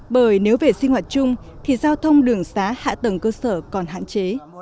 bởi nếu về sinh hoạt chung thì giao thông đường xá hạ tầng cơ sở còn hạn chế